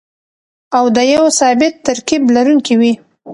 او د يو ثابت ترکيب لرونکي وي.